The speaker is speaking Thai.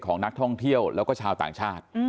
ของนักท่องเที่ยวแล้วก็ชาวต่างชาติ